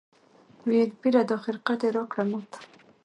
ویل پیره دا خرقه دي راکړه ماته